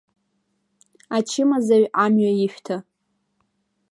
Ачымазаҩ амҩа ишәҭа!